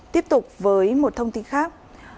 tiếp tục với một thông tin khác